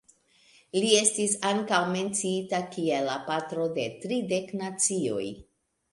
Li estis ankaŭ menciita kiel la patro de tridek nacioj.